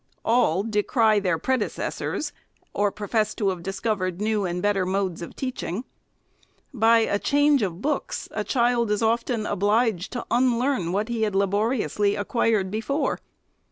All decry their predecessors, or profess to have discovered new and better modes of teaching. By u change of books, a child is often obliged to unlearn what he had laboriously acquired before.